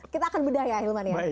kita akan bedah ya ahilman ya